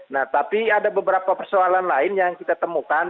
nah tapi ada beberapa persoalan lain yang kita temukan